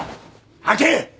吐け！